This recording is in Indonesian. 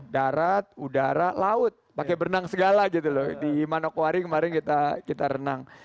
darat udara laut pakai berenang segala gitu loh di manokwari kemarin kita renang